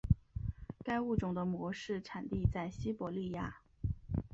该物种的模式产地在西伯利亚。